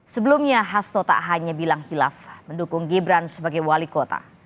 sebelumnya hasto tak hanya bilang hilaf mendukung gibran sebagai wali kota